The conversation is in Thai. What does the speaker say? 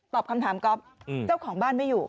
คำถามก๊อฟเจ้าของบ้านไม่อยู่